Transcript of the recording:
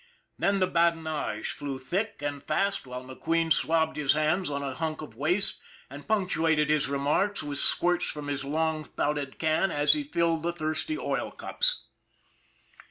Then the badi nage flew thick and fast while McQueen swabbed his hands on a hunk of waste and punctuated the remarks with squirts from his long spouted can as he filled the thirsty oil cups.